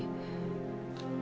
mungkin aja semalem